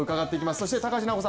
そして高橋尚子さん